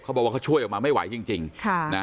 บอกว่าเขาช่วยออกมาไม่ไหวจริงจริงค่ะนะ